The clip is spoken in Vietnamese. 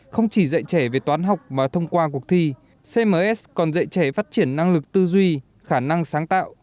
không chỉ dạy trẻ về toán học mà thông qua cuộc thi cms còn dạy trẻ phát triển năng lực tư duy khả năng sáng tạo